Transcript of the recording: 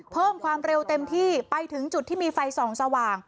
เพิ่มความเร็วเต็มที่ไปถึงจุดที่มีไฟส่องสว่าง